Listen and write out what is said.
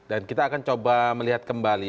dan kita akan coba melihat kembali